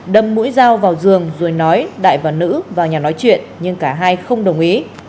đâm mũi dao vào giường rồi nói đại và nữ vào nhà nói chuyện nhưng cả hai không đồng ý